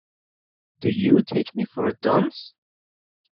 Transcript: Do you take me for a dunce?